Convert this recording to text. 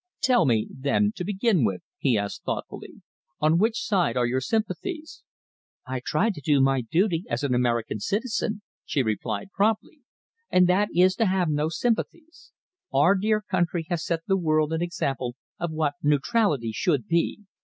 "Tell me, then, to begin with," he asked thoughtfully, "on which side are your sympathies?" "I try to do my duty as an American citizen," she replied promptly, "and that is to have no sympathies. Our dear country has set the world an example of what neutrality should be.